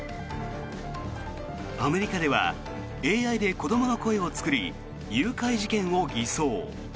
アメリカではＡＩで子どもの声を作り誘拐事件を偽装。